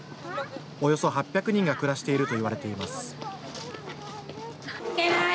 およそ８００人が暮らしているといわれています。